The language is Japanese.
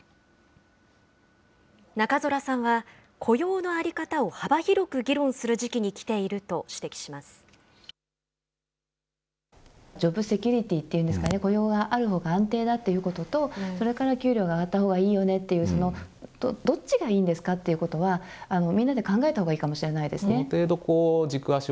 中空さんは、雇用の在り方を幅広く議論する時期に来ているとジョブセキュリティーっていうんですかね、雇用があるほうが安定だっていうことと、それから給料が上がったほうがいいよねっていう、どっちがいいんですかということは、みんなで考えたほうがいいかもしれないですね。